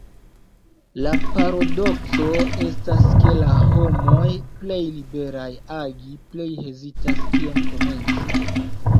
La paradokso estas ke la homoj plej liberaj agi, plej hezitas kion komenci.